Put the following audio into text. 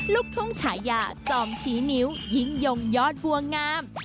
ลูกทุ่งฉายาจอมชี้นิ้วยิ่งยงยอดบัวงาม